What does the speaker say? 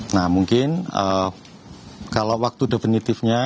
nah mungkin kalau waktu definitifnya